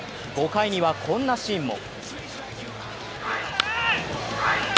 ５回にはこんなシーンも。